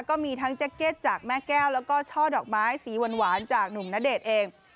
ก็มีทั้งแจ็คเก็ตจากแม่แก้วแล้วก็ช่อดอกไม้สีหวานจากหนุ่มณเดชน์เอง